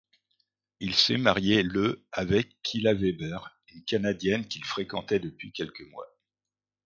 Il s'est marié le avec Kyla Weber, une Canadienne qu'il fréquentait depuis quelques mois.